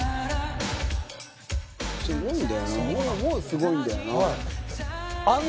すごいんだよな。